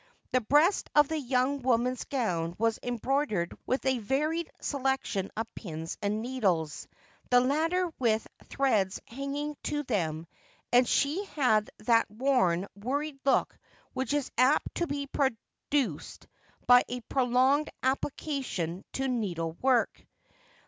The breast of the young woman's gown was embroidered with a varied selection of pins and needles, the latter with threads hanging to them, and she had that worn, worried look which is apt to be produced by a prolonged application to needle work.